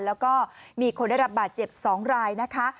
แล้วก็มีคนได้รับบาดเจ็บ๒รายนะคะ